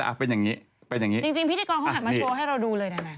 จริงพิธีกรเขาแบบมาโชว์ให้เราดูเลยแดง